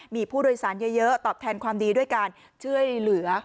มีผู้โดยสารเยอะตอบแทนความดีด้วยการช่วยเหลือ